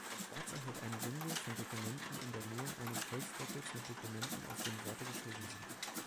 Ein Schwarzer hält ein Bündel von Dokumenten in der Nähe eines Holzdeckels mit Dokumenten, auf denen Worte geschrieben sind